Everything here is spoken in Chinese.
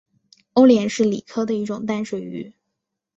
欧鲢是鲤科的一种淡水鱼。